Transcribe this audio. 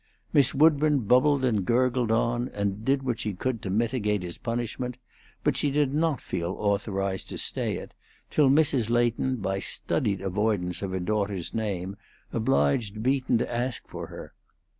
Miss Woodburn bubbled and gurgled on, and did what she could to mitigate his punishment, but she did not feel authorized to stay it, till Mrs. Leighton, by studied avoidance of her daughter's name, obliged Beaton to ask for her.